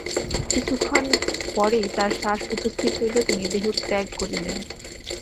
কিছুক্ষণ পরেই তাঁহার শ্বাস উপস্থিত হইল, তিনি দেহত্যাগ করিলেন।